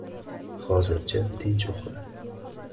Hozircha tinch uxla